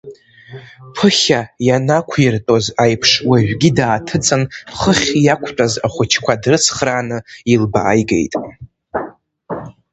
Ԥыхьа ианақәиртәоз аиԥш уажәгьы дааҭыҵын, хыхь иақәтәаз ахәыҷқәа дрыцхрааны илбааигеит.